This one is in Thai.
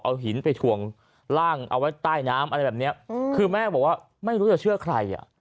เอาหินไปถ่วงร่างเอาไว้ใต้น้ำอะไรแบบเนี้ยคือแม่บอกว่าไม่รู้จะเชื่อใครอ่ะ